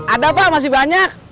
ada pak masih banyak